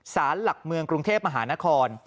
สารหลักเมืองกรุงเทพมหานคร